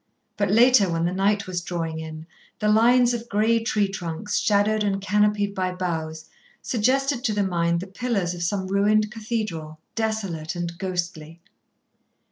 But later, when the night was drawing in, the lines of grey tree trunks, shadowed and canopied by boughs, suggested to the mind the pillars of some ruined cathedral, desolate and ghostly.